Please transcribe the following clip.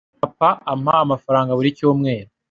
Papa ampa amafaranga buri cyumweru.